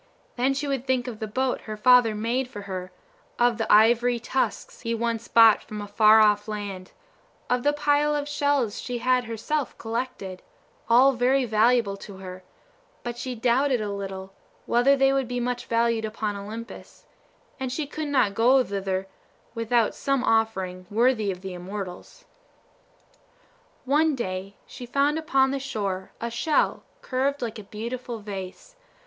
Then she would think of the boat her father made for her of the ivory tusks he once brought from a far off land; of the pile of shells she had herself collected, all very valuable to her, but she doubted a little whether they would be much valued upon Olympus, and she could not go thither without some offering worthy of the immortals. One day she found upon the shore a shell curved like a beautiful vase.